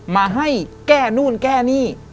มาให้แก้นู่นแก้นี่